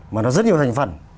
mà nó rất nhiều thành phần